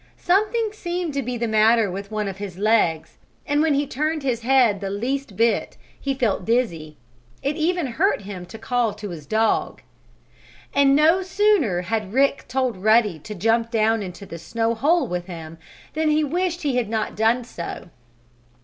Something seemed to be the matter with one of his legs, and when he turned his head the least bit, he felt dizzy. It even hurt him to call to his dog. And no sooner had Rick told Ruddy to jump down into the snow hole with him than he wished he had not done so.